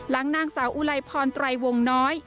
รักนางสาวอุลัยพรไตรวงน้อย